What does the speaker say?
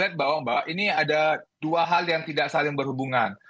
saya melihat bahwa ini ada dua hal yang tidak saling berhubungan